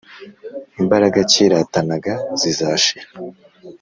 imbaraga cyiratanaga zizashira